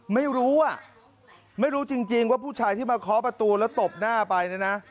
ไม่รู้อ่ะไม่รู้จริงว่าผู้ชายที่มาเคาะประตูแล้วตบหน้าไปเนี่ยนะ